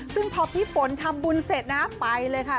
ซึ่งพอพี่ฝนทำบุญเสร็จนะไปเลยค่ะ